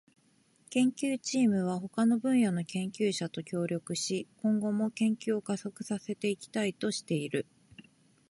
研究チームは他の分野の研究者と協力し、今後も研究を加速させていきたいとしている。